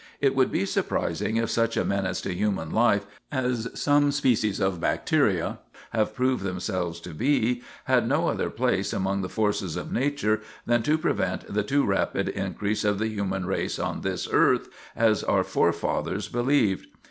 It would be surprising if such a menace to human life as some species of bacteria have proved themselves to be had no other place among the forces of nature than to prevent the too rapid increase of the human race on this earth, as our forefathers believed.